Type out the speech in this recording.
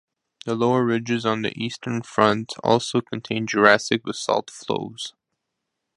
The lower ridges on the eastern front also contain Jurassic basalt flows.